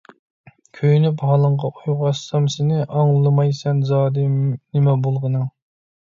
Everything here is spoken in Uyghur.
كۆيۈنۈپ ھالىڭغا، ئويغاتسام سېنى، ئاڭلىمايسەن زادى، نېمە بولغىنىڭ؟